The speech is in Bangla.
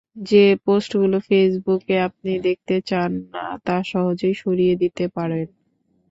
যে পোস্টগুলো ফেসবুকে আপনি দেখতে চান না তা সহজেই সরিয়ে দিতে পারেন।